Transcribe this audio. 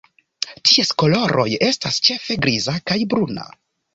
Ties koloroj estas ĉefe griza kaj bruna.